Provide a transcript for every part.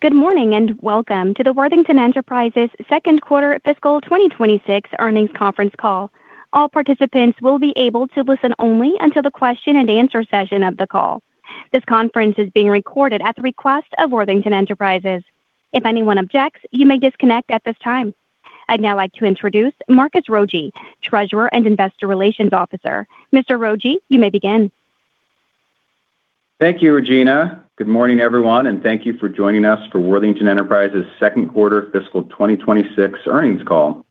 Good morning and welcome to the Worthington Enterprises Second Quarter Fiscal 2026 Earnings Conference call. All participants will be able to listen only until the question and answer session of the call. This conference is being recorded at the request of Worthington Enterprises. If anyone objects, you may disconnect at this time. I'd now like to introduce Marcus Rogier, Treasurer and Investor Relations Officer. Mr. Rogier, you may begin. Thank you, Regina. Good morning, everyone, and thank you for joining us for Worthington Enterprises Second Quarter Fiscal 2026 Earnings Call.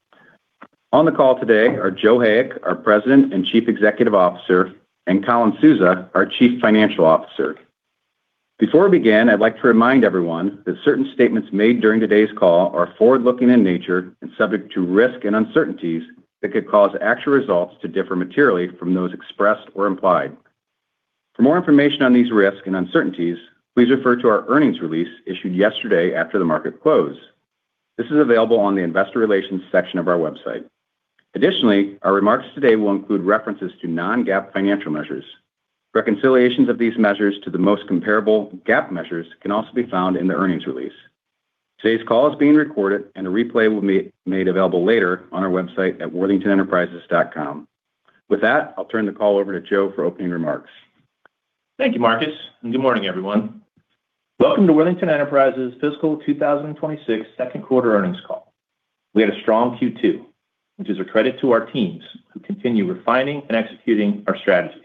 On the call today are Joe Hayek, our President and Chief Executive Officer, and Colin Souza, our Chief Financial Officer. Before we begin, I'd like to remind everyone that certain statements made during today's call are forward-looking in nature and subject to risk and uncertainties that could cause actual results to differ materially from those expressed or implied. For more information on these risks and uncertainties, please refer to our earnings release issued yesterday after the market closed. This is available on the Investor Relations section of our website. Additionally, our remarks today will include references to non-GAAP financial measures. Reconciliations of these measures to the most comparable GAAP measures can also be found in the earnings release. Today's call is being recorded, and a replay will be made available later on our website at worthingtonenterprises.com. With that, I'll turn the call over to Joe for opening remarks. Thank you, Marcus, and good morning, everyone. Welcome to Worthington Enterprises Fiscal 2026 Second Quarter Earnings Call. We had a strong Q2, which is a credit to our teams who continue refining and executing our strategies.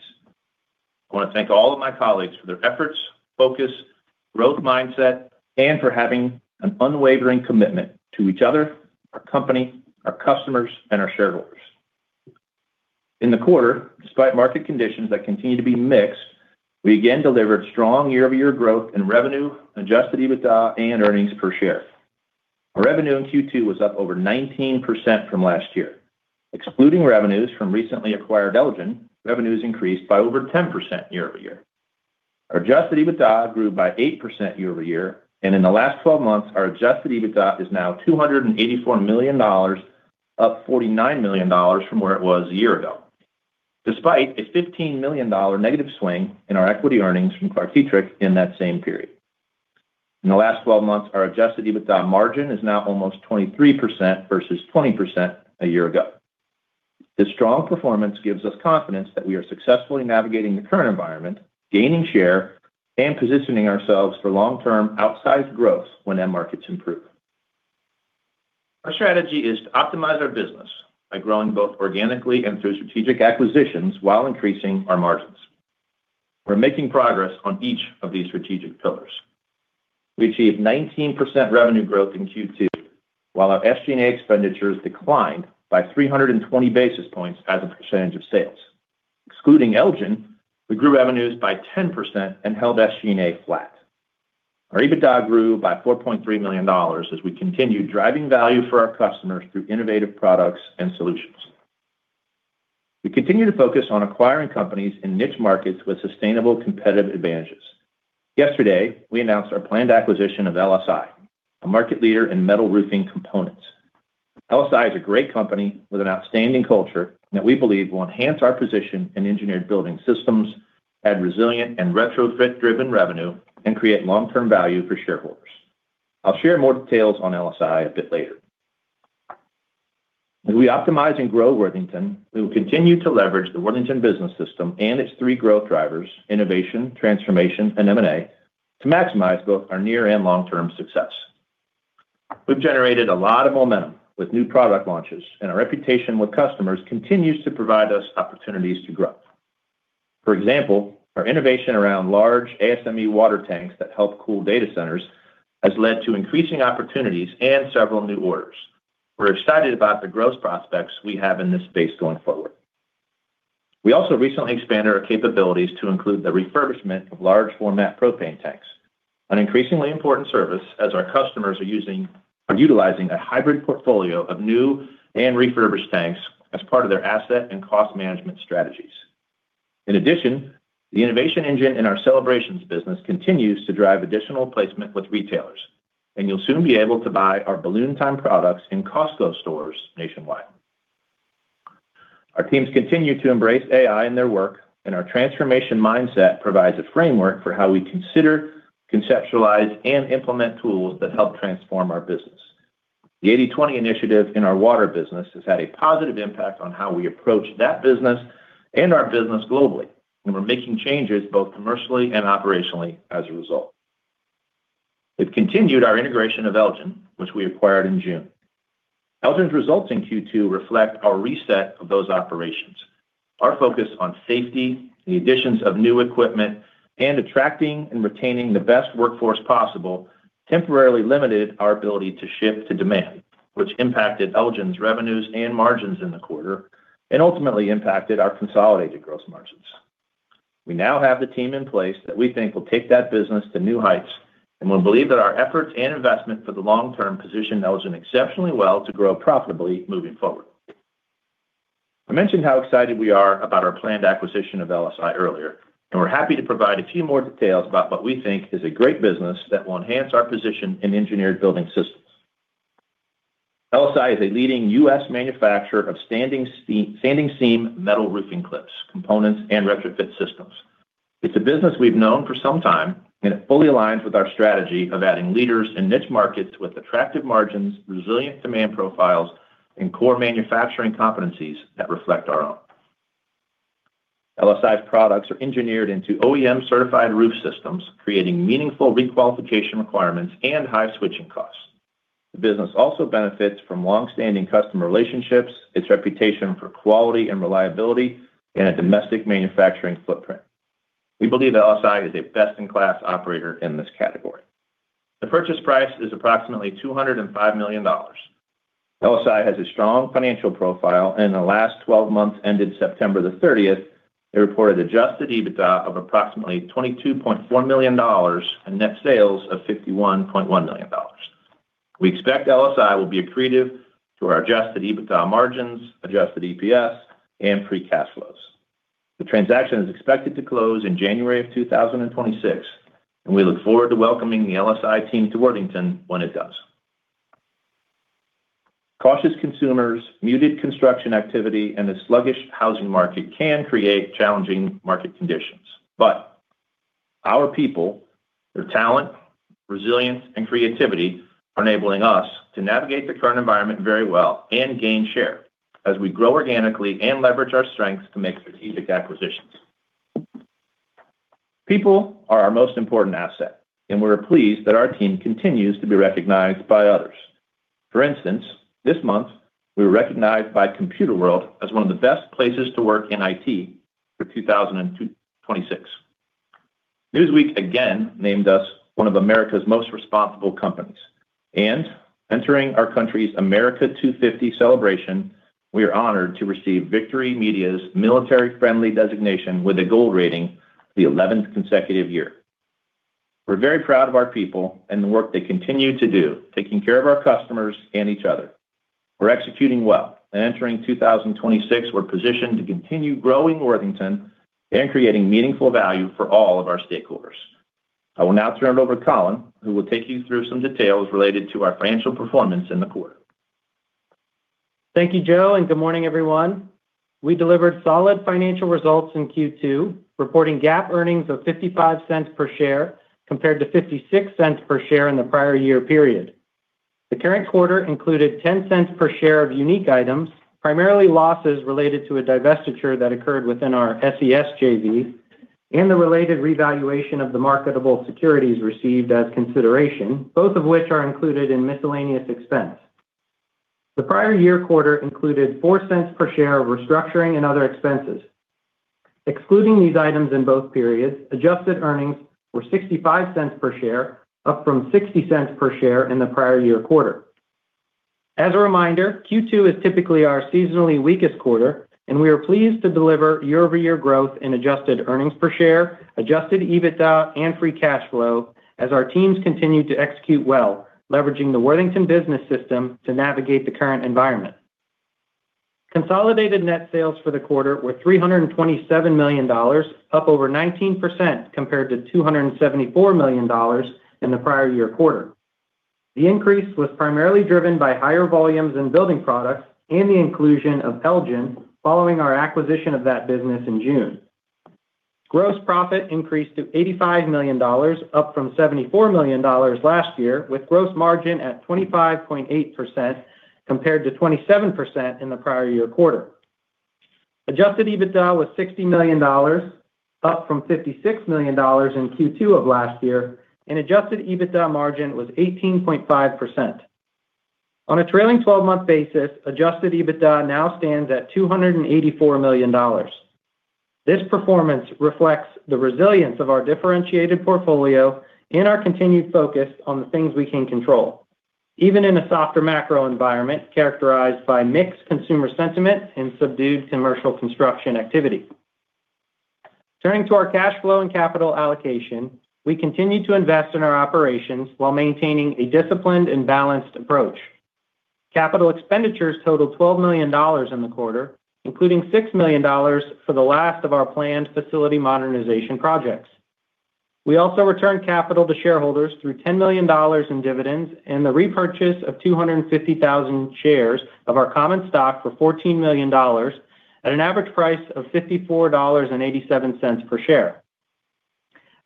I want to thank all of my colleagues for their efforts, focus, growth mindset, and for having an unwavering commitment to each other, our company, our customers, and our shareholders. In the quarter, despite market conditions that continue to be mixed, we again delivered strong year-over-year growth in revenue, adjusted EBITDA, and earnings per share. Our revenue in Q2 was up over 19% from last year. Excluding revenues from recently acquired Elgen, revenues increased by over 10% year-over-year. Our adjusted EBITDA grew by 8% year-over-year, and in the last 12 months, our adjusted EBITDA is now $284 million, up $49 million from where it was a year ago, despite a $15 million negative swing in our equity earnings from ClarkDietrich in that same period. In the last 12 months, our adjusted EBITDA margin is now almost 23% versus 20% a year ago. This strong performance gives us confidence that we are successfully navigating the current environment, gaining share, and positioning ourselves for long-term outsized growth when end markets improve. Our strategy is to optimize our business by growing both organically and through strategic acquisitions while increasing our margins. We're making progress on each of these strategic pillars. We achieved 19% revenue growth in Q2, while our SG&A expenditures declined by 320 basis points as a percentage of sales. Excluding Elgen, we grew revenues by 10% and held SG&A flat. Our EBITDA grew by $4.3 million as we continued driving value for our customers through innovative products and solutions. We continue to focus on acquiring companies in niche markets with sustainable competitive advantages. Yesterday, we announced our planned acquisition of LSI, a market leader in metal roofing components. LSI is a great company with an outstanding culture that we believe will enhance our position in engineered building systems, add resilient and retrofit-driven revenue, and create long-term value for shareholders. I'll share more details on LSI a bit later. As we optimize and grow Worthington, we will continue to leverage the Worthington Business System and its three growth drivers, innovation, transformation, and M&A, to maximize both our near and long-term success. We've generated a lot of momentum with new product launches, and our reputation with customers continues to provide us opportunities to grow. For example, our innovation around large ASME water tanks that help cool data centers has led to increasing opportunities and several new orders. We're excited about the growth prospects we have in this space going forward. We also recently expanded our capabilities to include the refurbishment of large-format propane tanks, an increasingly important service as our customers are utilizing a hybrid portfolio of new and refurbished tanks as part of their asset and cost management strategies. In addition, the innovation engine in our celebrations business continues to drive additional placement with retailers, and you'll soon be able to buy our Balloon Time products in Costco stores nationwide. Our teams continue to embrace AI in their work, and our transformation mindset provides a framework for how we consider, conceptualize, and implement tools that help transform our business. The 80/20 initiative in our water business has had a positive impact on how we approach that business and our business globally, and we're making changes both commercially and operationally as a result. We've continued our integration of Elgen, which we acquired in June. Elgen's results in Q2 reflect our reset of those operations. Our focus on safety, the additions of new equipment, and attracting and retaining the best workforce possible temporarily limited our ability to shift to demand, which impacted Elgen's revenues and margins in the quarter and ultimately impacted our consolidated gross margins. We now have the team in place that we think will take that business to new heights and will believe that our efforts and investment for the long-term position Elgen exceptionally well to grow profitably moving forward. I mentioned how excited we are about our planned acquisition of LSI earlier, and we're happy to provide a few more details about what we think is a great business that will enhance our position in engineered building systems. LSI is a leading U.S. manufacturer of standing seam metal roofing clips, components, and retrofit systems. It's a business we've known for some time, and it fully aligns with our strategy of adding leaders in niche markets with attractive margins, resilient demand profiles, and core manufacturing competencies that reflect our own. LSI's products are engineered into OEM-certified roof systems, creating meaningful requalification requirements and high switching costs. The business also benefits from long-standing customer relationships, its reputation for quality and reliability, and a domestic manufacturing footprint. We believe LSI is a best-in-class operator in this category. The purchase price is approximately $205 million. LSI has a strong financial profile, and in the last 12 months, ended September the 30th, they reported adjusted EBITDA of approximately $22.4 million and net sales of $51.1 million. We expect LSI will be accretive to our adjusted EBITDA margins, adjusted EPS, and free cash flows. The transaction is expected to close in January of 2026, and we look forward to welcoming the LSI team to Worthington when it does. Cautious consumers, muted construction activity, and a sluggish housing market can create challenging market conditions, but our people, their talent, resilience, and creativity are enabling us to navigate the current environment very well and gain share as we grow organically and leverage our strengths to make strategic acquisitions. People are our most important asset, and we're pleased that our team continues to be recognized by others. For instance, this month, we were recognized by Computerworld as one of the best places to work in IT for 2026. Newsweek again named us one of America's most responsible companies, and entering our country's America 250 celebration, we are honored to receive Viqtory Media's military-friendly designation with a gold rating for the 11th consecutive year. We're very proud of our people and the work they continue to do, taking care of our customers and each other. We're executing well, and entering 2026, we're positioned to continue growing Worthington and creating meaningful value for all of our stakeholders. I will now turn it over to Colin, who will take you through some details related to our financial performance in the quarter. Thank you, Joe, and good morning, everyone. We delivered solid financial results in Q2, reporting GAAP earnings of $0.55 per share compared to $0.56 per share in the prior year period. The current quarter included $0.10 per share of unique items, primarily losses related to a divestiture that occurred within our SES JV, and the related revaluation of the marketable securities received as consideration, both of which are included in miscellaneous expense. The prior year quarter included $0.04 per share of restructuring and other expenses. Excluding these items in both periods, adjusted earnings were $0.65 per share, up from $0.60 per share in the prior year quarter. As a reminder, Q2 is typically our seasonally weakest quarter, and we are pleased to deliver year-over-year growth in adjusted earnings per share, adjusted EBITDA, and free cash flow as our teams continue to execute well, leveraging the Worthington Business System to navigate the current environment. Consolidated net sales for the quarter were $327 million, up over 19% compared to $274 million in the prior year quarter. The increase was primarily driven by higher volumes in building products and the inclusion of Elgen following our acquisition of that business in June. Gross profit increased to $85 million, up from $74 million last year, with gross margin at 25.8% compared to 27% in the prior year quarter. Adjusted EBITDA was $60 million, up from $56 million in Q2 of last year, and adjusted EBITDA margin was 18.5%. On a trailing 12-month basis, adjusted EBITDA now stands at $284 million. This performance reflects the resilience of our differentiated portfolio and our continued focus on the things we can control, even in a softer macro environment characterized by mixed consumer sentiment and subdued commercial construction activity. Turning to our cash flow and capital allocation, we continue to invest in our operations while maintaining a disciplined and balanced approach. Capital expenditures totaled $12 million in the quarter, including $6 million for the last of our planned facility modernization projects. We also returned capital to shareholders through $10 million in dividends and the repurchase of 250,000 shares of our common stock for $14 million at an average price of $54.87 per share.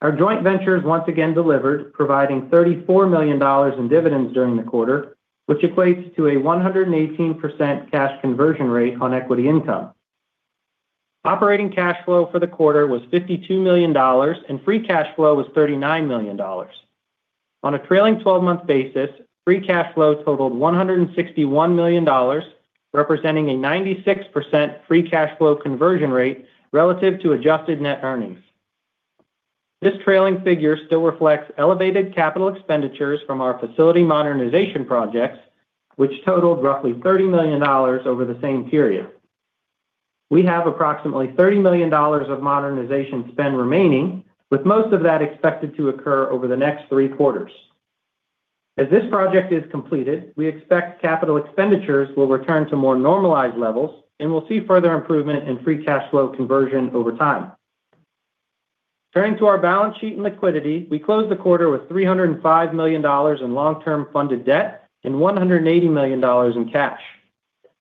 Our joint ventures once again delivered, providing $34 million in dividends during the quarter, which equates to a 118% cash conversion rate on equity income. Operating cash flow for the quarter was $52 million, and free cash flow was $39 million. On a trailing 12-month basis, free cash flow totaled $161 million, representing a 96% free cash flow conversion rate relative to adjusted net earnings. This trailing figure still reflects elevated capital expenditures from our facility modernization projects, which totaled roughly $30 million over the same period. We have approximately $30 million of modernization spend remaining, with most of that expected to occur over the next three quarters. As this project is completed, we expect capital expenditures will return to more normalized levels, and we'll see further improvement in free cash flow conversion over time. Turning to our balance sheet and liquidity, we closed the quarter with $305 million in long-term funded debt and $180 million in cash.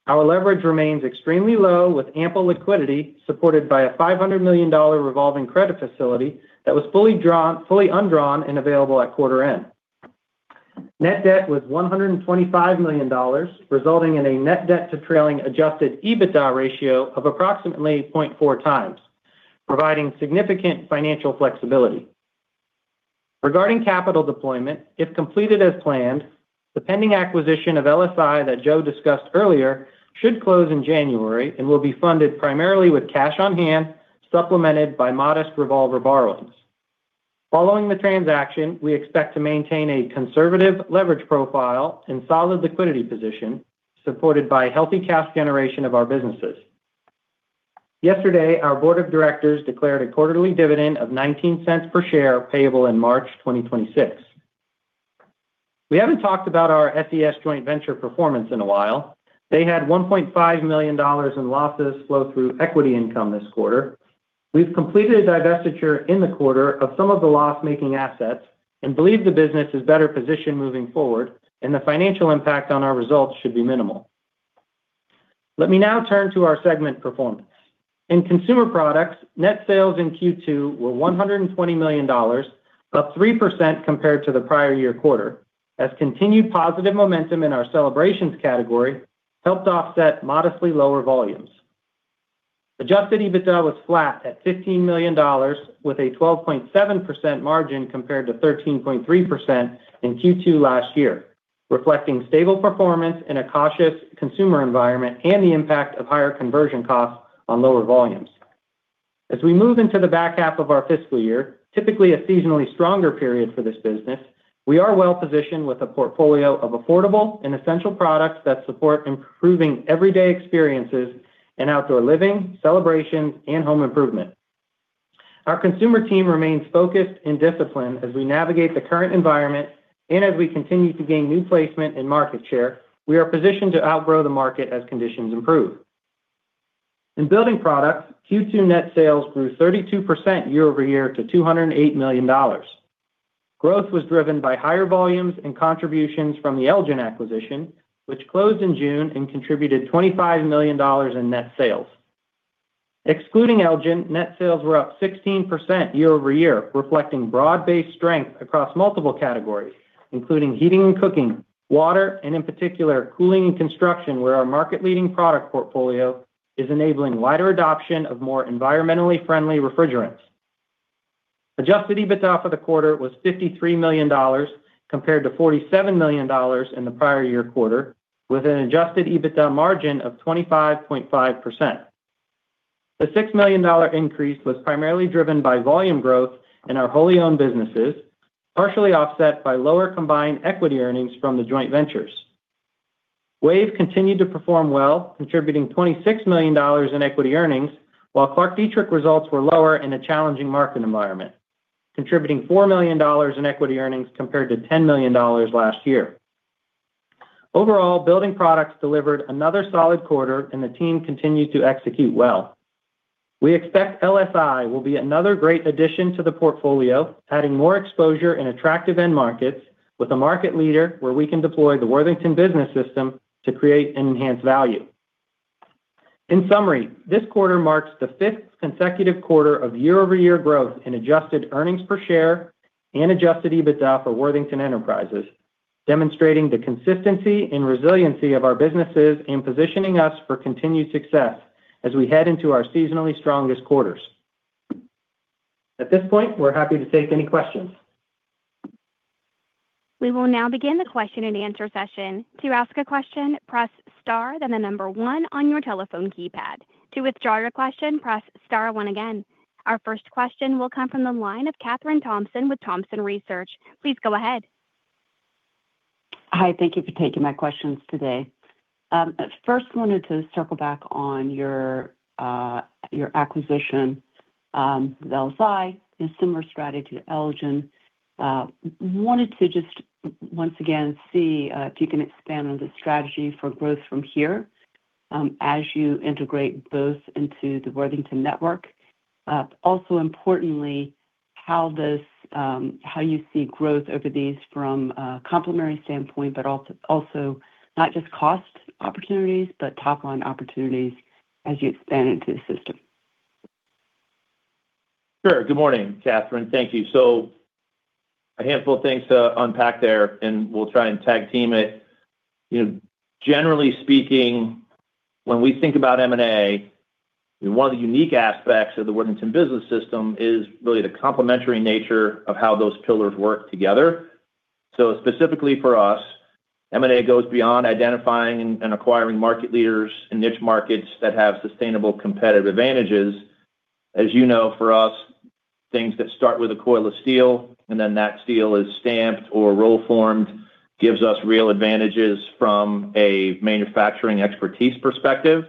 Our leverage remains extremely low, with ample liquidity supported by a $500 million revolving credit facility that was fully undrawn and available at quarter end. Net debt was $125 million, resulting in a net debt to trailing adjusted EBITDA ratio of approximately 0.4 times, providing significant financial flexibility. Regarding capital deployment, if completed as planned, the pending acquisition of LSI that Joe discussed earlier should close in January and will be funded primarily with cash on hand supplemented by modest revolver borrowings. Following the transaction, we expect to maintain a conservative leverage profile and solid liquidity position supported by healthy cash generation of our businesses. Yesterday, our board of directors declared a quarterly dividend of $0.19 per share payable in March 2026. We haven't talked about our SES joint venture performance in a while. They had $1.5 million in losses flow through equity income this quarter. We've completed a divestiture in the quarter of some of the loss-making assets and believe the business is better positioned moving forward, and the financial impact on our results should be minimal. Let me now turn to our segment performance. In consumer products, net sales in Q2 were $120 million, up 3% compared to the prior year quarter, as continued positive momentum in our celebrations category helped offset modestly lower volumes. Adjusted EBITDA was flat at $15 million, with a 12.7% margin compared to 13.3% in Q2 last year, reflecting stable performance in a cautious consumer environment and the impact of higher conversion costs on lower volumes. As we move into the back half of our fiscal year, typically a seasonally stronger period for this business, we are well-positioned with a portfolio of affordable and essential products that support improving everyday experiences in outdoor living, celebrations, and home improvement. Our consumer team remains focused and disciplined as we navigate the current environment and as we continue to gain new placement and market share. We are positioned to outgrow the market as conditions improve. In building products, Q2 net sales grew 32% year-over-year to $208 million. Growth was driven by higher volumes and contributions from the Elgen acquisition, which closed in June and contributed $25 million in net sales. Excluding Elgen, net sales were up 16% year-over-year, reflecting broad-based strength across multiple categories, including heating and cooking, water, and in particular, cooling and construction, where our market-leading product portfolio is enabling wider adoption of more environmentally friendly refrigerants. Adjusted EBITDA for the quarter was $53 million compared to $47 million in the prior year quarter, with an adjusted EBITDA margin of 25.5%. The $6 million increase was primarily driven by volume growth in our wholly owned businesses, partially offset by lower combined equity earnings from the joint ventures. WAVE continued to perform well, contributing $26 million in equity earnings, while ClarkDietrich results were lower in a challenging market environment, contributing $4 million in equity earnings compared to $10 million last year. Overall, building products delivered another solid quarter, and the team continued to execute well. We expect LSI will be another great addition to the portfolio, adding more exposure in attractive end markets with a market leader where we can deploy the Worthington Business System to create and enhance value. In summary, this quarter marks the fifth consecutive quarter of year-over-year growth in adjusted earnings per share and adjusted EBITDA for Worthington Enterprises, demonstrating the consistency and resiliency of our businesses and positioning us for continued success as we head into our seasonally strongest quarters. At this point, we're happy to take any questions. We will now begin the question and answer session. To ask a question, press Star, then the number one on your telephone keypad. To withdraw your question, press Star one again. Our first question will come from the line of Kathryn Thompson with Thompson Research. Please go ahead. Hi. Thank you for taking my questions today. First, I wanted to circle back on your acquisition of LSI, a similar strategy to Elgen. Wanted to just once again see if you can expand on the strategy for growth from here as you integrate both into the Worthington network. Also, importantly, how you see growth over these from a complementary standpoint, but also not just cost opportunities, but top-line opportunities as you expand into the system? Sure. Good morning, Kathryn. Thank you. So a handful of things to unpack there, and we'll try and tag team it. Generally speaking, when we think about M&A, one of the unique aspects of the Worthington Business System is really the complementary nature of how those pillars work together. So specifically for us, M&A goes beyond identifying and acquiring market leaders in niche markets that have sustainable competitive advantages. As you know, for us, things that start with a coil of steel and then that steel is stamped or roll-formed gives us real advantages from a manufacturing expertise perspective.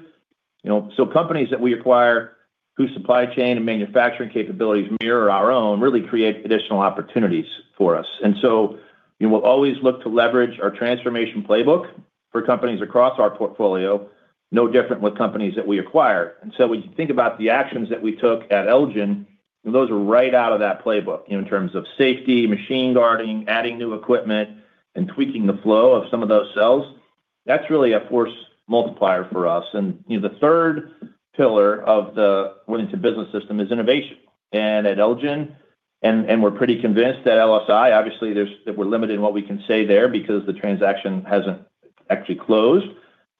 So companies that we acquire whose supply chain and manufacturing capabilities mirror our own really create additional opportunities for us. And so we'll always look to leverage our transformation playbook for companies across our portfolio, no different with companies that we acquire. And so when you think about the actions that we took at Elgen, those are right out of that playbook in terms of safety, machine guarding, adding new equipment, and tweaking the flow of some of those cells. That's really a force multiplier for us. And the third pillar of the Worthington Business System is innovation. And at Elgen, and we're pretty convinced that LSI, obviously, we're limited in what we can say there because the transaction hasn't actually closed,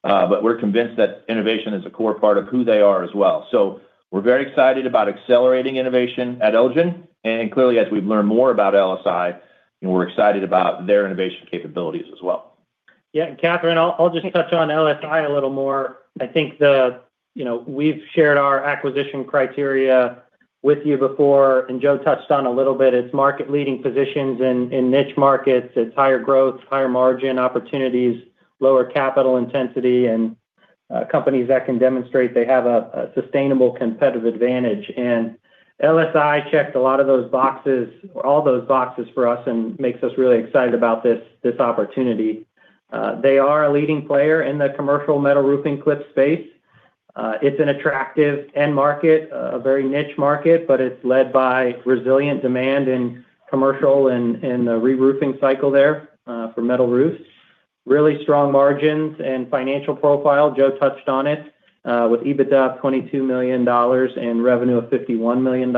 but we're convinced that innovation is a core part of who they are as well. So we're very excited about accelerating innovation at Elgen. And clearly, as we've learned more about LSI, we're excited about their innovation capabilities as well. Yeah, and Kathryn, I'll just touch on LSI a little more. I think we've shared our acquisition criteria with you before, and Joe touched on a little bit. It's market-leading positions in niche markets. It's higher growth, higher margin opportunities, lower capital intensity, and companies that can demonstrate they have a sustainable competitive advantage, and LSI checked a lot of those boxes, all those boxes for us, and makes us really excited about this opportunity. They are a leading player in the commercial metal roofing clip space. It's an attractive end market, a very niche market, but it's led by resilient demand in commercial and the reroofing cycle there for metal roofs. Really strong margins and financial profile. Joe touched on it with EBITDA of $22 million and revenue of $51 million.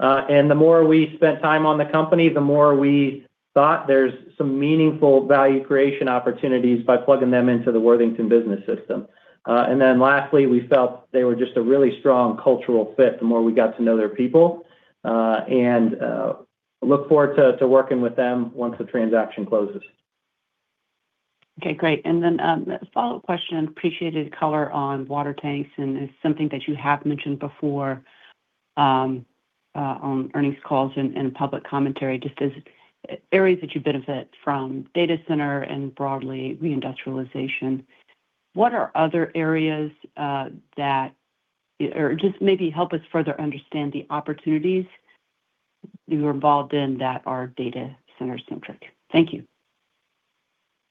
And the more we spent time on the company, the more we thought there's some meaningful value creation opportunities by plugging them into the Worthington Business System. And then lastly, we felt they were just a really strong cultural fit the more we got to know their people. And look forward to working with them once the transaction closes. Okay. Great. Then a follow-up question. Appreciated color on water tanks and is something that you have mentioned before on earnings calls and public commentary, just as areas that you benefit from data center and broadly reindustrialization. What are other areas that or just maybe help us further understand the opportunities you're involved in that are data center-centric? Thank you.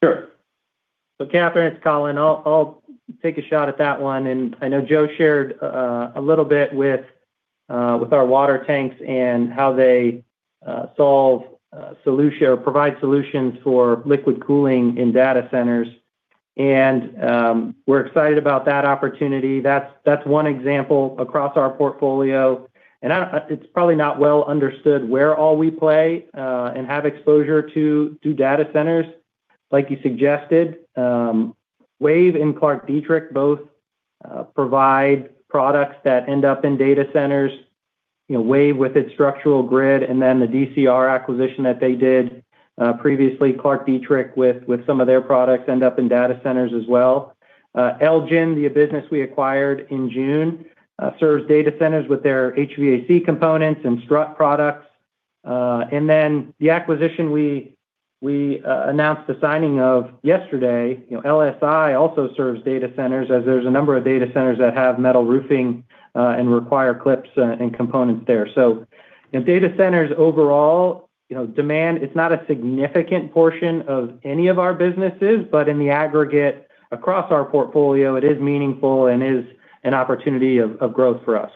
Sure. So Kathryn, it's Colin. I'll take a shot at that one. And I know Joe shared a little bit with our water tanks and how they solve solutions or provide solutions for liquid cooling in data centers. And we're excited about that opportunity. That's one example across our portfolio. And it's probably not well understood where all we play and have exposure to data centers, like you suggested. WAVE and ClarkDietrich both provide products that end up in data centers. WAVE with its structural grid and then the DCR acquisition that they did previously, ClarkDietrich with some of their products end up in data centers as well. Elgen, the business we acquired in June, serves data centers with their HVAC components and strut products. And then, the acquisition we announced the signing of yesterday, LSI, also serves data centers as there's a number of data centers that have metal roofing and require clips and components there. So, data centers overall demand. It's not a significant portion of any of our businesses, but in the aggregate across our portfolio, it is meaningful and is an opportunity of growth for us.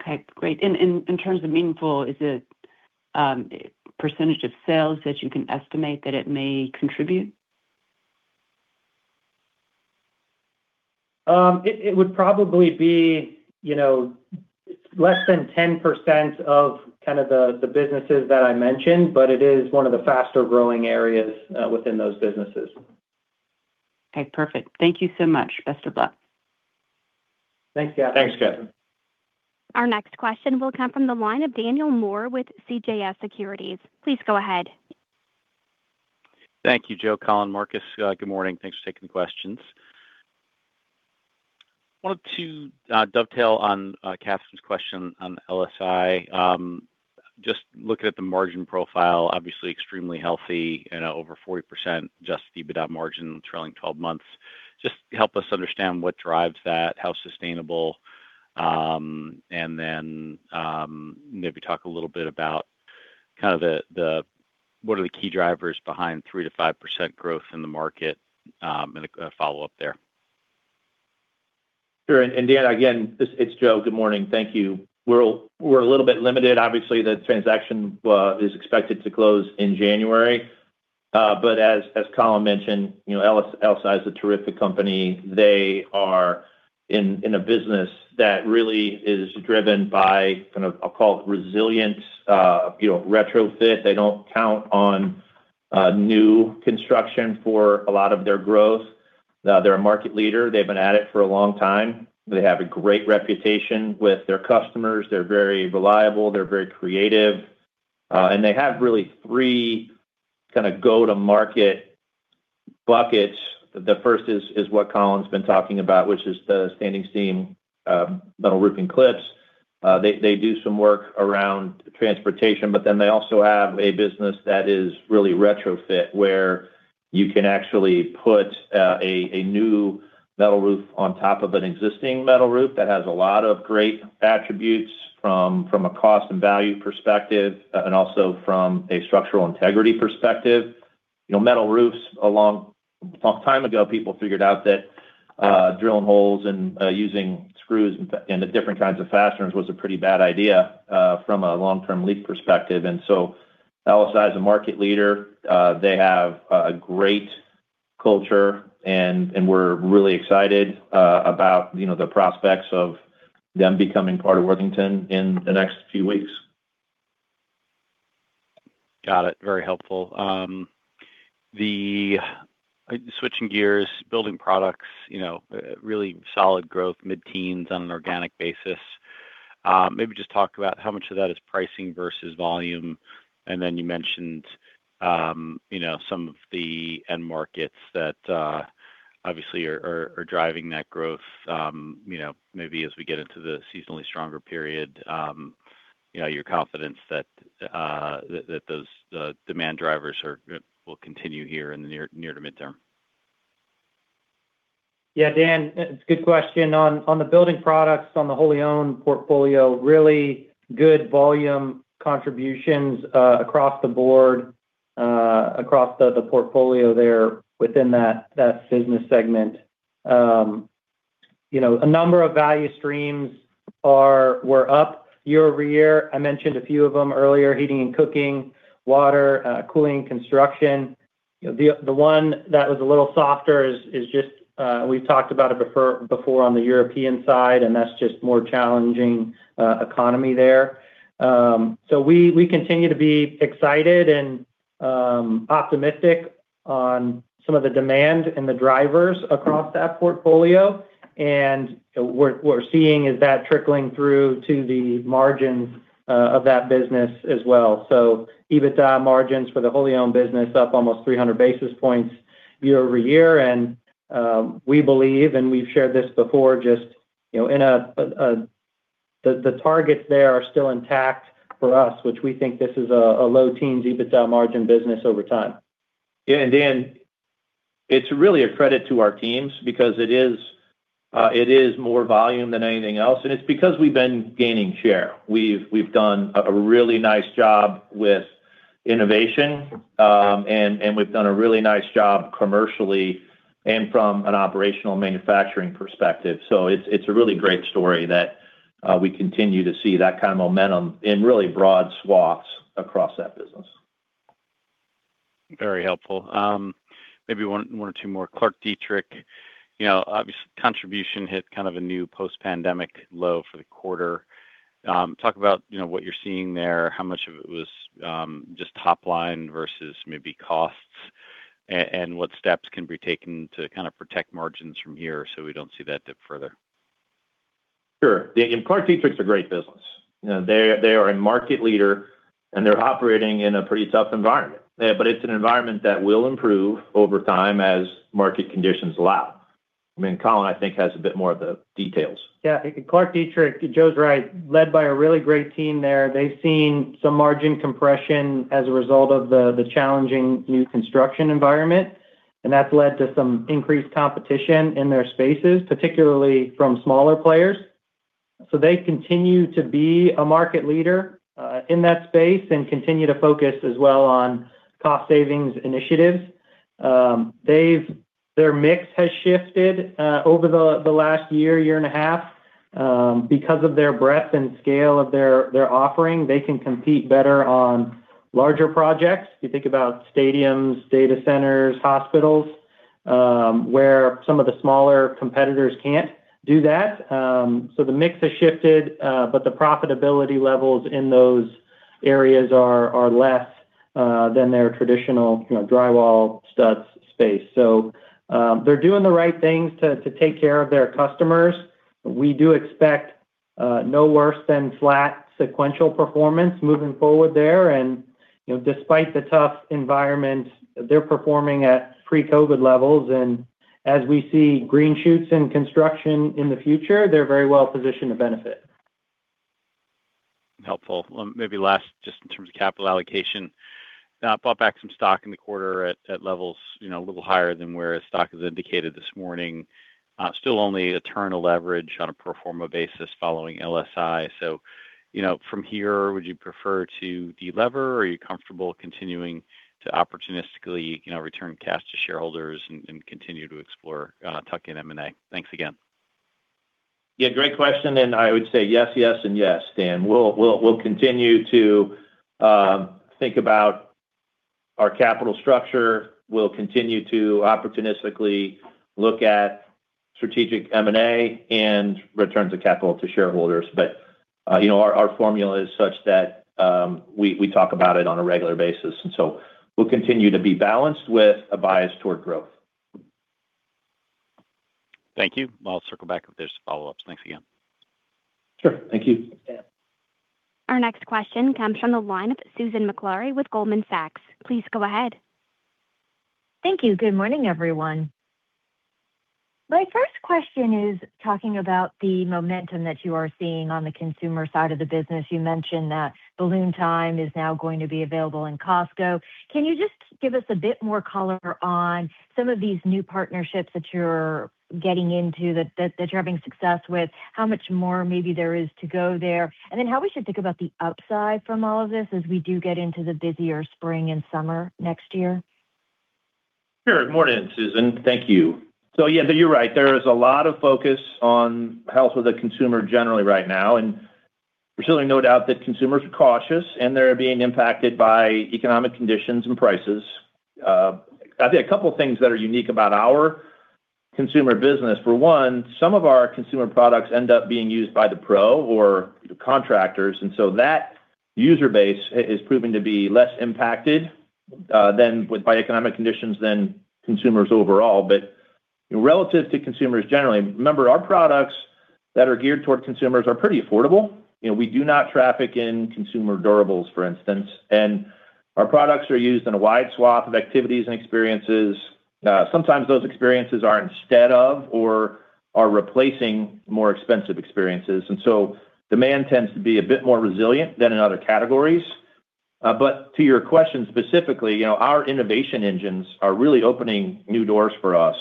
Okay. Great. And in terms of meaningful, is it a percentage of sales that you can estimate that it may contribute? It would probably be less than 10% of kind of the businesses that I mentioned, but it is one of the faster-growing areas within those businesses. Okay. Perfect. Thank you so much. Best of luck. Thanks, Katherine. Thanks, Katherine. Our next question will come from the line of Daniel Moore with CJS Securities. Please go ahead. Thank you, Joe, Colin, Marcus. Good morning. Thanks for taking the questions. I wanted to dovetail on Kathryn's question on LSI. Just looking at the margin profile, obviously extremely healthy and over 40% just EBITDA margin trailing 12 months. Just help us understand what drives that, how sustainable, and then maybe talk a little bit about kind of what are the key drivers behind 3%-5% growth in the market and a follow-up there. Sure. And again, it's Joe. Good morning. Thank you. We're a little bit limited. Obviously, the transaction is expected to close in January, but as Colin mentioned, LSI is a terrific company. They are in a business that really is driven by kind of, I'll call it resilient retrofit. They don't count on new construction for a lot of their growth. They're a market leader. They've been at it for a long time. They have a great reputation with their customers. They're very reliable. They're very creative. And they have really three kind of go-to-market buckets. The first is what Colin's been talking about, which is the standing seam metal roofing clips. They do some work around transportation, but then they also have a business that is really retrofit where you can actually put a new metal roof on top of an existing metal roof that has a lot of great attributes from a cost and value perspective and also from a structural integrity perspective. Metal roofs, a long time ago, people figured out that drilling holes and using screws in different kinds of fashions was a pretty bad idea from a long-term leak perspective. And so LSI is a market leader. They have a great culture, and we're really excited about the prospects of them becoming part of Worthington in the next few weeks. Got it. Very helpful. Switching gears, building products, really solid growth, mid-teens on an organic basis. Maybe just talk about how much of that is pricing versus volume. And then you mentioned some of the end markets that obviously are driving that growth. Maybe as we get into the seasonally stronger period, your confidence that those demand drivers will continue here in the near to midterm. Yeah, Dan, it's a good question. On the building products, on the wholly owned portfolio, really good volume contributions across the board, across the portfolio there within that business segment. A number of value streams were up year over year. I mentioned a few of them earlier, heating and cooking, water, cooling, construction. The one that was a little softer is just we've talked about it before on the European side, and that's just more challenging economy there. So we continue to be excited and optimistic on some of the demand and the drivers across that portfolio. And what we're seeing is that trickling through to the margins of that business as well. So EBITDA margins for the wholly owned business up almost 300 basis points year over year. And we believe, and we've shared this before, just the targets there are still intact for us, which we think this is a low-teens EBITDA margin business over time. Yeah. And Dan, it's really a credit to our teams because it is more volume than anything else. And it's because we've been gaining share. We've done a really nice job with innovation, and we've done a really nice job commercially and from an operational manufacturing perspective. So it's a really great story that we continue to see that kind of momentum in really broad swaths across that business. Very helpful. Maybe one or two more. ClarkDietrich, obviously, contribution hit kind of a new post-pandemic low for the quarter. Talk about what you're seeing there, how much of it was just top-line versus maybe costs, and what steps can be taken to kind of protect margins from here so we don't see that dip further? Sure. And ClarkDietrich is a great business. They are a market leader, and they're operating in a pretty tough environment. But it's an environment that will improve over time as market conditions allow. I mean, Colin, I think, has a bit more of the details. Yeah. ClarkDietrich, Joe's right, led by a really great team there. They've seen some margin compression as a result of the challenging new construction environment, and that's led to some increased competition in their spaces, particularly from smaller players. So they continue to be a market leader in that space and continue to focus as well on cost-savings initiatives. Their mix has shifted over the last year, year and a half. Because of their breadth and scale of their offering, they can compete better on larger projects. You think about stadiums, data centers, hospitals, where some of the smaller competitors can't do that. So the mix has shifted, but the profitability levels in those areas are less than their traditional drywall studs space. So they're doing the right things to take care of their customers. We do expect no worse than flat sequential performance moving forward there. Despite the tough environment, they're performing at pre-COVID levels. As we see green shoots in construction in the future, they're very well positioned to benefit. Helpful. Maybe last, just in terms of capital allocation, bought back some stock in the quarter at levels a little higher than where stock is indicated this morning. Still only a turn of leverage on a pro forma basis following LSI. So from here, would you prefer to de-lever, or are you comfortable continuing to opportunistically return cash to shareholders and continue to explore tuck and M&A? Thanks again. Yeah. Great question, and I would say yes, yes, and yes, Dan. We'll continue to think about our capital structure. We'll continue to opportunistically look at strategic M&A and returns of capital to shareholders, but our formula is such that we talk about it on a regular basis, and so we'll continue to be balanced with a bias toward growth. Thank you. I'll circle back if there's follow-ups. Thanks again. Sure. Thank you. Our next question comes from the line of Susan Maklari with Goldman Sachs. Please go ahead. Thank you. Good morning, everyone. My first question is talking about the momentum that you are seeing on the consumer side of the business. You mentioned that Balloon Time is now going to be available in Costco. Can you just give us a bit more color on some of these new partnerships that you're getting into that you're having success with, how much more maybe there is to go there, and then how we should think about the upside from all of this as we do get into the busier spring and summer next year? Sure. Good morning, Susan. Thank you. So yeah, you're right. There is a lot of focus on health of the consumer generally right now. And there's certainly no doubt that consumers are cautious, and they're being impacted by economic conditions and prices. I think a couple of things that are unique about our consumer business. For one, some of our consumer products end up being used by the pro or contractors. And so that user base is proving to be less impacted by economic conditions than consumers overall. But relative to consumers generally, remember, our products that are geared toward consumers are pretty affordable. We do not traffic in consumer durables, for instance. And our products are used in a wide swath of activities and experiences. Sometimes those experiences are instead of or are replacing more expensive experiences. And so demand tends to be a bit more resilient than in other categories. But to your question specifically, our innovation engines are really opening new doors for us,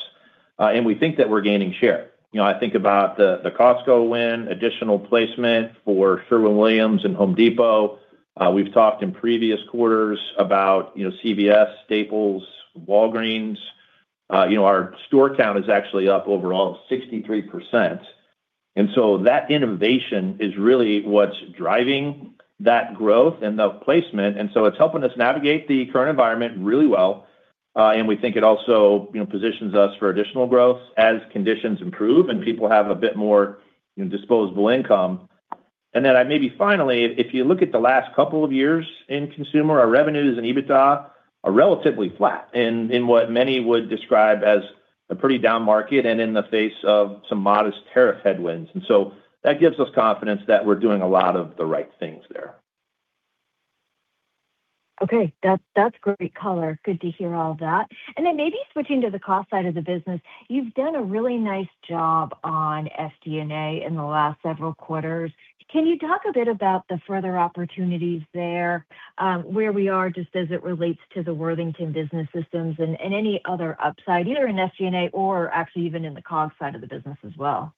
and we think that we're gaining share. I think about the Costco win, additional placement for Sherwin-Williams and Home Depot. We've talked in previous quarters about CVS, Staples, Walgreens. Our store count is actually up overall 63%. And so that innovation is really what's driving that growth and the placement. And so it's helping us navigate the current environment really well. And we think it also positions us for additional growth as conditions improve and people have a bit more disposable income. Then maybe finally, if you look at the last couple of years in consumer, our revenues and EBITDA are relatively flat in what many would describe as a pretty down market and in the face of some modest tariff headwinds. So that gives us confidence that we're doing a lot of the right things there. Okay. That's great color. Good to hear all that. And then maybe switching to the cost side of the business, you've done a really nice job on SG&A in the last several quarters. Can you talk a bit about the further opportunities there, where we are just as it relates to the Worthington Business System and any other upside, either in SG&A or actually even in the cost side of the business as well?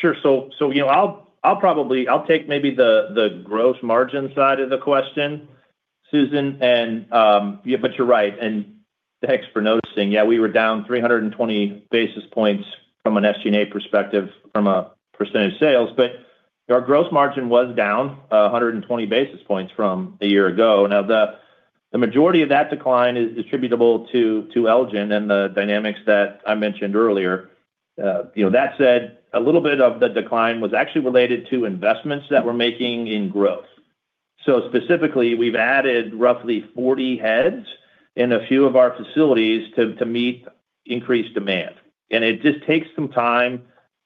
Sure. So I'll take maybe the gross margin side of the question, Susan. But you're right. And thanks for noticing. Yeah, we were down 320 basis points from an SG&A perspective from a percentage sales. But our gross margin was down 120 basis points from a year ago. Now, the majority of that decline is attributable to Elgen and the dynamics that I mentioned earlier. That said, a little bit of the decline was actually related to investments that we're making in growth. So specifically, we've added roughly 40 heads in a few of our facilities to meet increased demand. And it just takes some time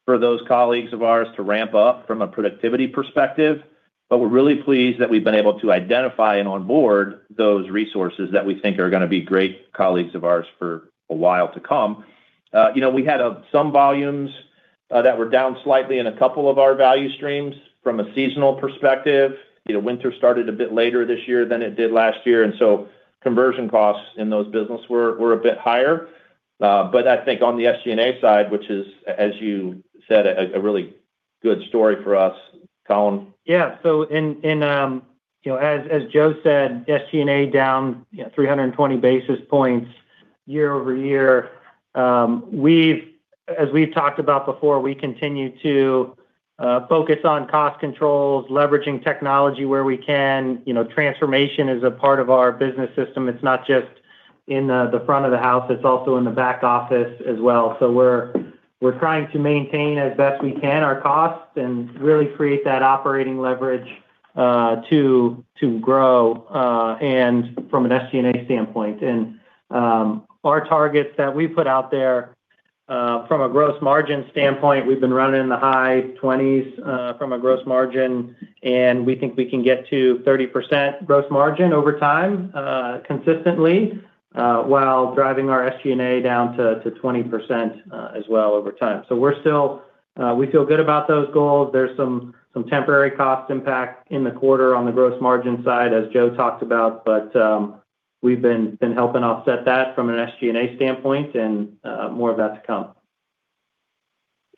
for those colleagues of ours to ramp up from a productivity perspective. But we're really pleased that we've been able to identify and onboard those resources that we think are going to be great colleagues of ours for a while to come. We had some volumes that were down slightly in a couple of our value streams from a seasonal perspective. Winter started a bit later this year than it did last year. And so conversion costs in those businesses were a bit higher. But I think on the SG&A side, which is, as you said, a really good story for us, Colin. Yeah. So as Joe said, SG&A down 320 basis points year over year. As we've talked about before, we continue to focus on cost controls, leveraging technology where we can. Transformation is a part of our business system. It's not just in the front of the house. It's also in the back office as well. So we're trying to maintain as best we can our costs and really create that operating leverage to grow from an SG&A standpoint. And our targets that we put out there from a gross margin standpoint, we've been running in the high 20s from a gross margin, and we think we can get to 30% gross margin over time consistently while driving our SG&A down to 20% as well over time. So we feel good about those goals. There's some temporary cost impact in the quarter on the gross margin side, as Joe talked about, but we've been helping offset that from an SG&A standpoint and more of that to come.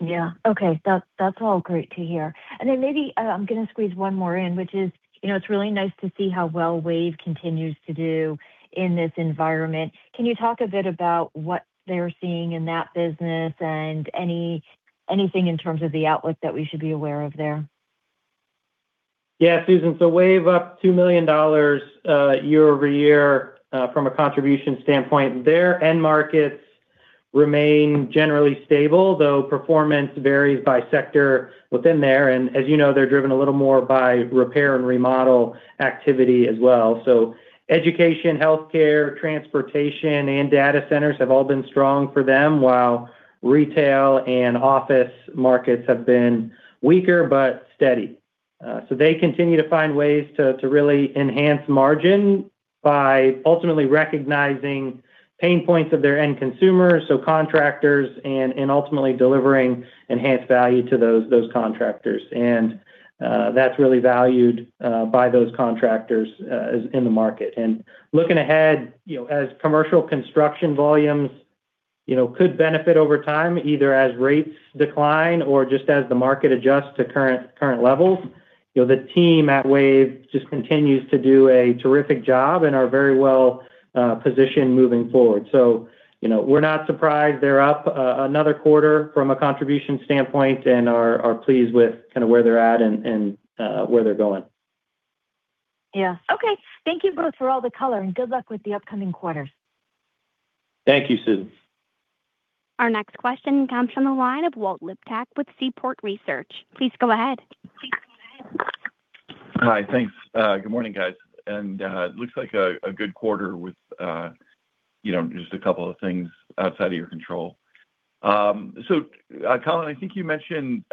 Yeah. Okay. That's all great to hear. And then maybe I'm going to squeeze one more in, which is it's really nice to see how well WAVE continues to do in this environment. Can you talk a bit about what they're seeing in that business and anything in terms of the outlook that we should be aware of there? Yeah, Susan. So WAVE up $2 million year over year from a contribution standpoint there. End markets remain generally stable, though performance varies by sector within there. And as you know, they're driven a little more by repair and remodel activity as well. So education, healthcare, transportation, and data centers have all been strong for them, while retail and office markets have been weaker but steady. So they continue to find ways to really enhance margin by ultimately recognizing pain points of their end consumers, so contractors, and ultimately delivering enhanced value to those contractors. And that's really valued by those contractors in the market. And looking ahead, as commercial construction volumes could benefit over time, either as rates decline or just as the market adjusts to current levels, the team at WAVE just continues to do a terrific job and are very well positioned moving forward. So we're not surprised. They're up another quarter from a contribution standpoint and are pleased with kind of where they're at and where they're going. Yeah. Okay. Thank you both for all the color, and good luck with the upcoming quarters. Thank you, Susan. Our next question comes from the line of Walt Liptak with Seaport Research. Please go ahead. Hi. Thanks. Good morning, guys. And it looks like a good quarter with just a couple of things outside of your control. So, Colin, I think you mentioned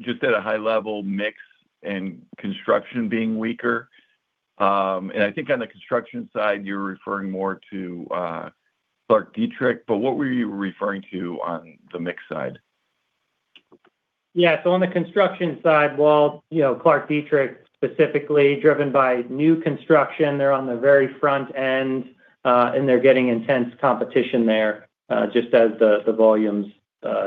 just at a high level mix and construction being weaker. And I think on the construction side, you're referring more to ClarkDietrich. But what were you referring to on the mix side? Yeah, so on the construction side, well, ClarkDietrich specifically driven by new construction. They're on the very front end, and they're getting intense competition there just as the volumes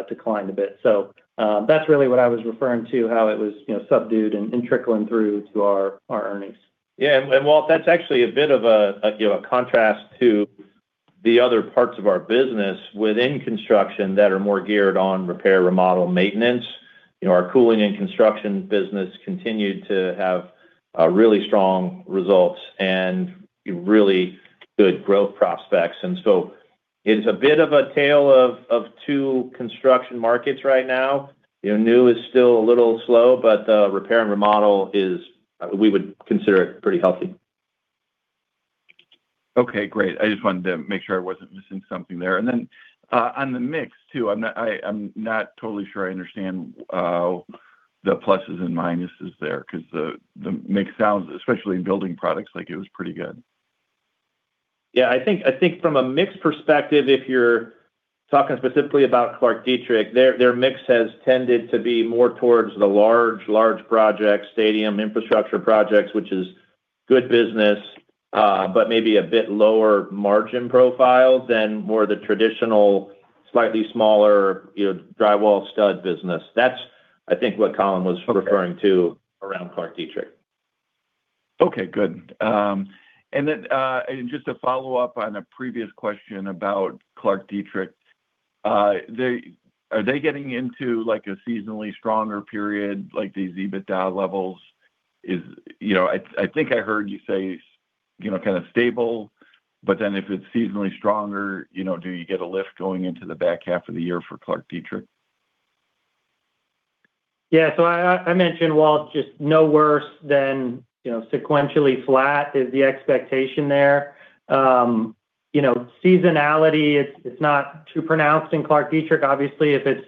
declined a bit, so that's really what I was referring to, how it was subdued and trickling through to our earnings. Yeah, and Walt, that's actually a bit of a contrast to the other parts of our business within construction that are more geared on repair, remodel, maintenance. Our cooling and construction business continued to have really strong results and really good growth prospects, and so it's a bit of a tale of two construction markets right now. New is still a little slow, but repair and remodel, we would consider it pretty healthy. Okay. Great. I just wanted to make sure I wasn't missing something there. And then on the mix too, I'm not totally sure I understand the pluses and minuses there because the mix sounds, especially in building products, like it was pretty good. Yeah. I think from a mix perspective, if you're talking specifically about ClarkDietrich, their mix has tended to be more towards the large, large projects, stadium infrastructure projects, which is good business, but maybe a bit lower margin profile than more the traditional, slightly smaller drywall stud business. That's, I think, what Colin was referring to around ClarkDietrich. Okay. Good. And then just to follow up on a previous question about ClarkDietrich, are they getting into a seasonally stronger period like these EBITDA levels? I think I heard you say kind of stable, but then if it's seasonally stronger, do you get a lift going into the back half of the year for ClarkDietrich? Yeah. So I mentioned, Walt, just no worse than sequentially flat is the expectation there. Seasonality, it's not too pronounced in ClarkDietrich. Obviously, if it's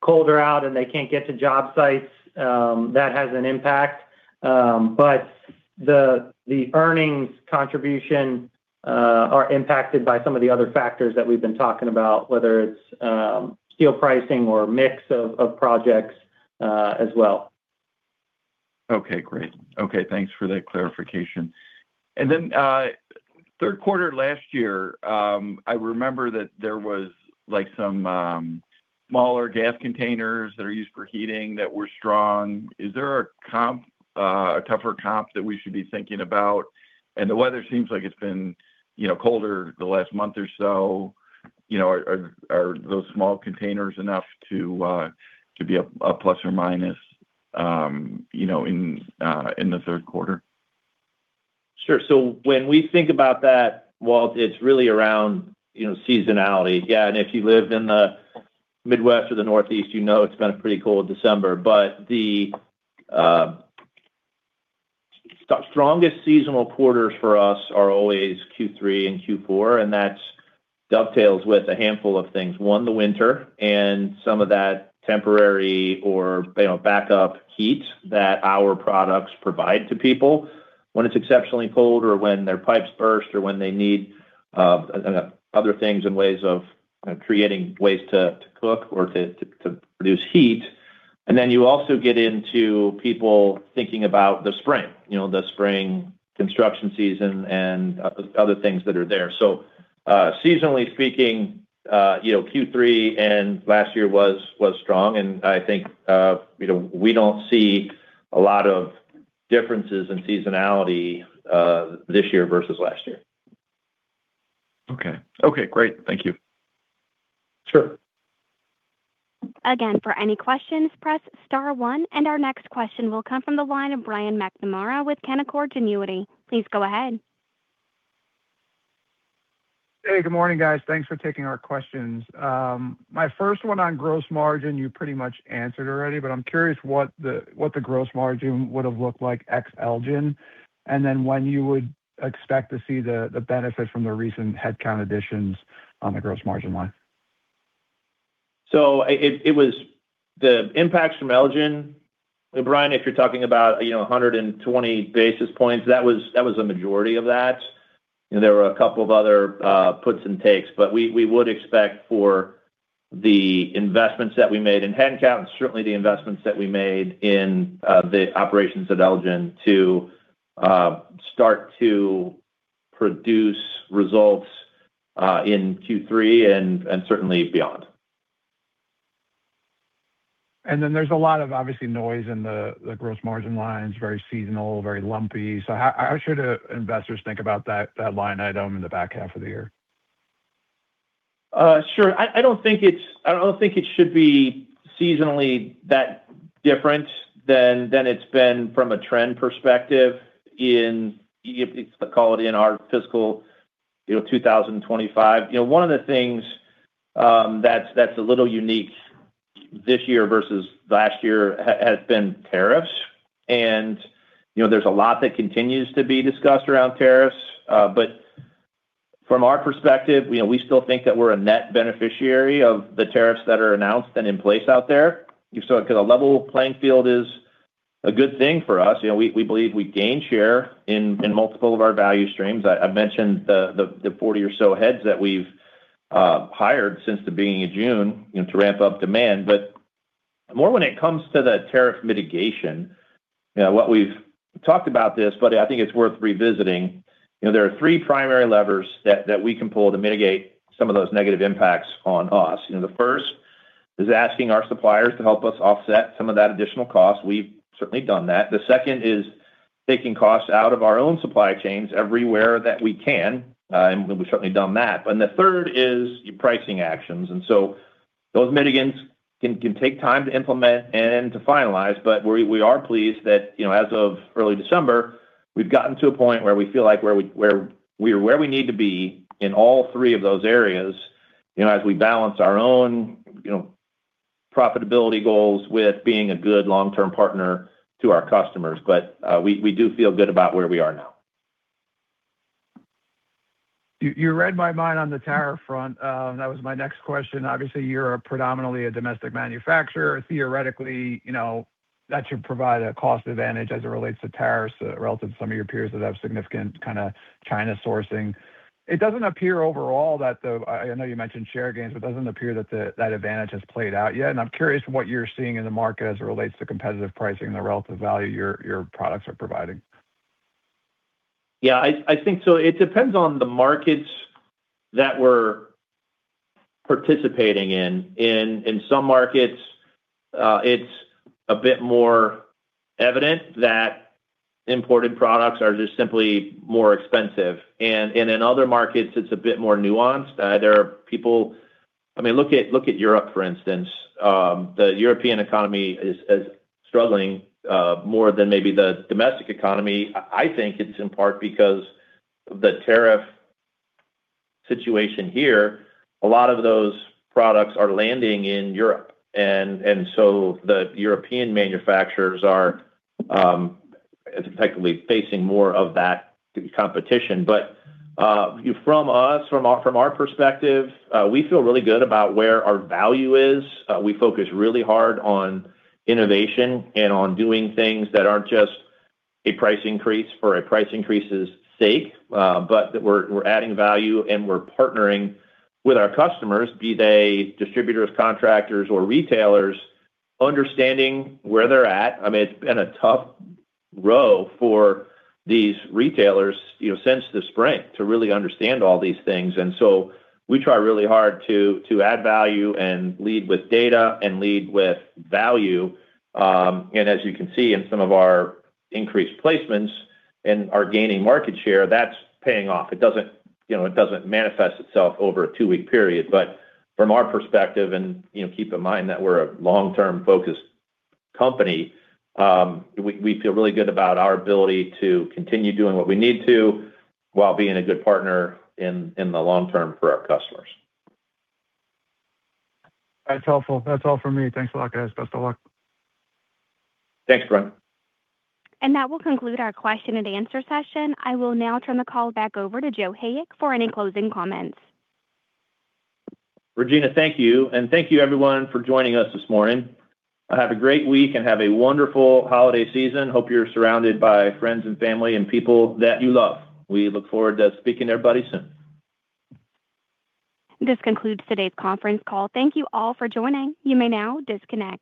colder out and they can't get to job sites, that has an impact. But the earnings contribution are impacted by some of the other factors that we've been talking about, whether it's steel pricing or mix of projects as well. Okay. Great. Okay. Thanks for that clarification. And then third quarter last year, I remember that there was some smaller gas containers that are used for heating that were strong. Is there a tougher comp that we should be thinking about? And the weather seems like it's been colder the last month or so. Are those small containers enough to be a plus or minus in the third quarter? Sure. So when we think about that, Walt, it's really around seasonality. Yeah. And if you live in the Midwest or the Northeast, you know it's been a pretty cold December. But the strongest seasonal quarters for us are always Q3 and Q4. And that dovetails with a handful of things. One, the winter and some of that temporary or backup heat that our products provide to people when it's exceptionally cold or when their pipes burst or when they need other things and ways of creating ways to cook or to produce heat. And then you also get into people thinking about the spring, the spring construction season, and other things that are there. So seasonally speaking, Q3 and last year was strong. And I think we don't see a lot of differences in seasonality this year versus last year. Okay. Okay. Great. Thank you. Sure. Again, for any questions, press star one. And our next question will come from the line of Brian McNamara with Canaccord Genuity. Please go ahead. Hey, good morning, guys. Thanks for taking our questions. My first one on gross margin, you pretty much answered already, but I'm curious what the gross margin would have looked like ex Elgen, and then when you would expect to see the benefit from the recent headcount additions on the gross margin line. So it was the impacts from Elgen. Brian, if you're talking about 120 basis points, that was a majority of that. There were a couple of other puts and takes. But we would expect for the investments that we made in headcount and certainly the investments that we made in the operations at Elgen to start to produce results in Q3 and certainly beyond. And then there's a lot of, obviously, noise in the gross margin lines, very seasonal, very lumpy. So how should investors think about that line item in the back half of the year? Sure. I don't think it should be seasonally that different than it's been from a trend perspective in, call it, our fiscal 2025. One of the things that's a little unique this year versus last year has been tariffs, and there's a lot that continues to be discussed around tariffs, but from our perspective, we still think that we're a net beneficiary of the tariffs that are announced and in place out there, so a level playing field is a good thing for us. We believe we gained share in multiple of our value streams. I've mentioned the 40 or so heads that we've hired since the beginning of June to ramp up demand. But more when it comes to the tariff mitigation, what we've talked about this, but I think it's worth revisiting. There are three primary levers that we can pull to mitigate some of those negative impacts on us. The first is asking our suppliers to help us offset some of that additional cost. We've certainly done that. The second is taking costs out of our own supply chains everywhere that we can. And we've certainly done that. And the third is pricing actions. And so those mitigants can take time to implement and to finalize. But we are pleased that as of early December, we've gotten to a point where we feel like we're where we need to be in all three of those areas as we balance our own profitability goals with being a good long-term partner to our customers. But we do feel good about where we are now. You read my mind on the tariff front. That was my next question. Obviously, you're predominantly a domestic manufacturer. Theoretically, that should provide a cost advantage as it relates to tariffs relative to some of your peers that have significant kind of China sourcing. It doesn't appear overall that. I know you mentioned share gains, but it doesn't appear that that advantage has played out yet. And I'm curious what you're seeing in the market as it relates to competitive pricing and the relative value your products are providing. Yeah. So it depends on the markets that we're participating in. In some markets, it's a bit more evident that imported products are just simply more expensive. And in other markets, it's a bit more nuanced. I mean, look at Europe, for instance. The European economy is struggling more than maybe the domestic economy. I think it's in part because of the tariff situation here. A lot of those products are landing in Europe. And so the European manufacturers are effectively facing more of that competition. But from our perspective, we feel really good about where our value is. We focus really hard on innovation and on doing things that aren't just a price increase for a price increase's sake, but that we're adding value and we're partnering with our customers, be they distributors, contractors, or retailers, understanding where they're at. I mean, it's been a tough row for these retailers since the spring to really understand all these things, and so we try really hard to add value and lead with data and lead with value, and as you can see in some of our increased placements and our gaining market share, that's paying off. It doesn't manifest itself over a two-week period, but from our perspective, and keep in mind that we're a long-term focused company, we feel really good about our ability to continue doing what we need to while being a good partner in the long term for our customers. That's helpful. That's all for me. Thanks a lot, guys. Best of luck. Thanks, Brian. That will conclude our question and answer session. I will now turn the call back over to Joe Hayek for any closing comments. Regina, thank you. And thank you, everyone, for joining us this morning. Have a great week and have a wonderful holiday season. Hope you're surrounded by friends and family and people that you love. We look forward to speaking to everybody soon. This concludes today's conference call. Thank you all for joining. You may now disconnect.